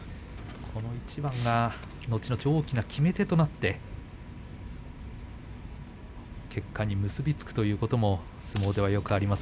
この一番が、のちのち大きな決め手となって結果に結び付くということも相撲ではよくあります。